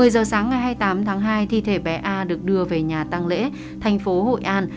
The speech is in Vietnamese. một mươi giờ sáng ngày hai mươi tám tháng hai thi thể bé a được đưa về nhà tăng lễ thành phố hội an